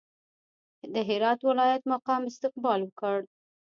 د هرات د ولایت مقام استقبال وکړ.